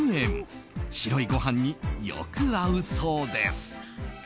白いご飯によく合うそうです。